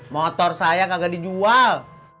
motor saya kagak dijual